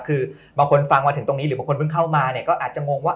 คือบางคนฟังมาถึงตรงนี้หรือบางคนเพิ่งเข้ามาเนี่ยก็อาจจะงงว่า